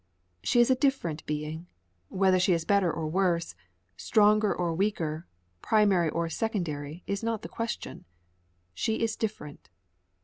She is a different being. Whether she is better or worse, stronger or weaker, primary or secondary, is not the question. She is different.